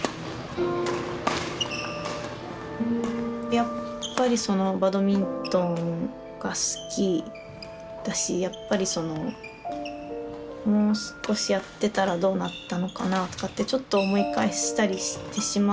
やっぱりそのバドミントンが好きだしやっぱりそのもう少しやってたらどうなったのかなとかってちょっと思い返したりしてしまう時もやっぱりあるので。